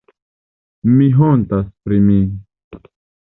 Mi hontas pri mi.